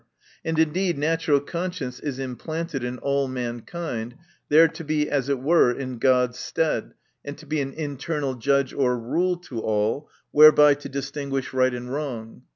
And indeed natural conscience is im planted in all mankind, there to be as it were in God's stead, and to be an inter nal judge or rule to all, whereby to distinguish right and wrong.